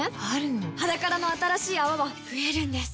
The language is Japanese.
「ｈａｄａｋａｒａ」の新しい泡は増えるんです